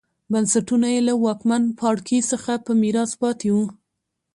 بنسټونه یې له واکمن پاړکي څخه په میراث پاتې وو